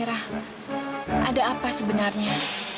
ada apa sebenarnya